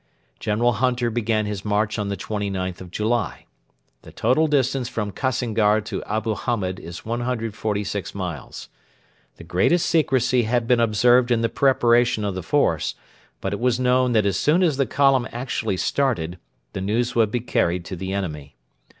General Hunter began his march on the 29th of July. The total distance from Kassingar to Abu Hamed is 146 miles. The greatest secrecy had been observed in the preparation of the force, but it was known that as soon as the column actually started the news would be carried to the enemy.